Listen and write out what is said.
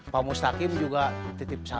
pak mustaqim juga titip satu